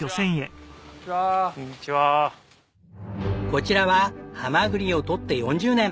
こちらはハマグリを獲って４０年！